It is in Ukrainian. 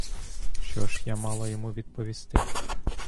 Що ж я мала йому відповісти?